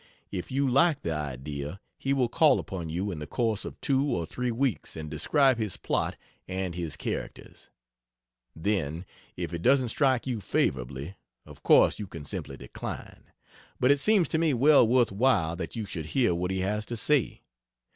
If you like the idea, he will call upon you in the course of two or three weeks and describe his plot and his characters. Then if it doesn't strike you favorably, of course you can simply decline; but it seems to me well worth while that you should hear what he has to say.